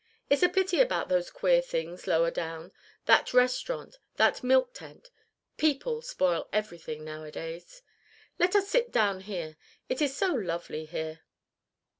It's a pity about those queer things lower down: that restaurant, that milk tent. People spoil everything nowadays.... Let us sit down here: it is so lovely here."